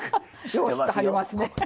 よう知ってはりますね。